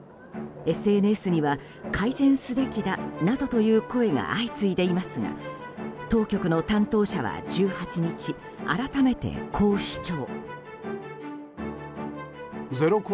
ＳＮＳには、改善すべきだなどという声が相次いでいますが当局の担当者は１８日改めてこう主張。